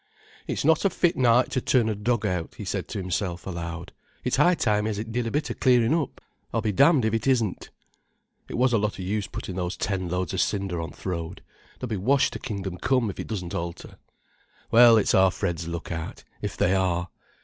"It's not a fit night to turn a dog out," he said to himself, aloud. "It's high time as it did a bit of clearing up, I'll be damned if it isn't. It was a lot of use putting those ten loads of cinders on th' road. They'll be washed to kingdom come if it doesn't alter. Well, it's our Fred's look out, if they are.